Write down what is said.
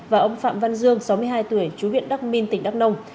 và ông phạm văn dương sáu mươi hai tuổi chú huyện đắc minh tỉnh đắk nông